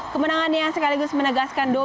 kemenangannya sekaligus menegaskan dolar